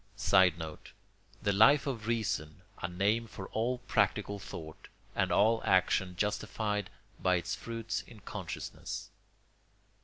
[Sidenote: The Life of Reason a name for all practical thought and all action justified by its fruits in consciousness.